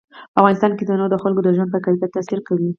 په افغانستان کې تنوع د خلکو د ژوند په کیفیت تاثیر کوي.